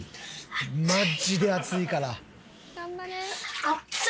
マジで熱いから。